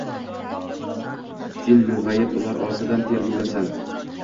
Sen mung’ayib ular ortidan termulasan